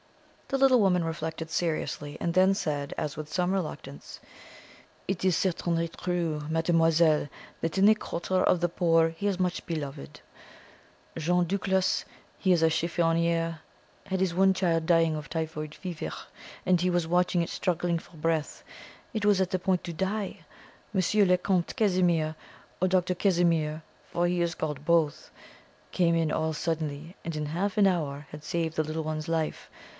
The little woman reflected seriously, and then said, as with some reluctance: "It is certainly true, mademoiselle, that in the quarter of the poor he is much beloved. Jean Duclos he is a chiffonnier had his one child dying of typhoid fever, and he was watching it struggling for breath; it was at the point to die. Monsieur le Comte Casimir, or Dr. Casimir for he is called both came in all suddenly, and in half an hour had saved the little one's life.